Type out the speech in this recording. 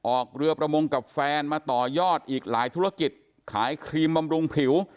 ออกเรือประมงกับแฟนมาต่อยอดอีกหลายธุรกิจขายครีมบำรุงผิว